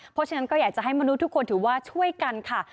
เพราะฉะนั้นก็อยากจะให้มนุษย์ทุกคนถือว่าช่วยกันค่ะ